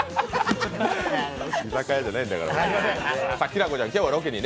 居酒屋じゃないんだから。